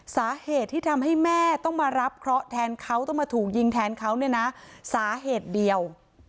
สาเหตุที่ทำให้แม่ต้องมารับเคราะห์แทนเขาต้องมาถูกยิงแทนเขาเนี่ยนะสาเหตุเดียว